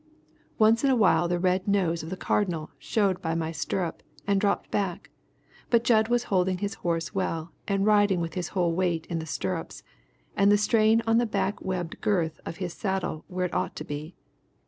Once in a while the red nose of the Cardinal showed by my stirrup and dropped back, but Jud was holding his horse well and riding with his whole weight in the stirrups and the strain on the back webbed girth of his saddle where it ought to be.